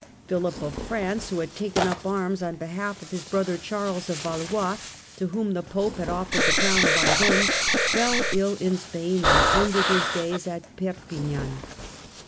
Philip of France, who had taken up arms on behalf of his brother Charles of Valois to whom the Pope had offered the crown of Aragon, fell ill in Spain and ended his days at Perpignan.